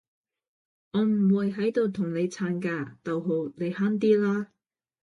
我唔會喺度同你撐㗎，你慳啲啦